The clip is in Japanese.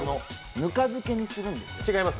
ぬか漬けにするんです。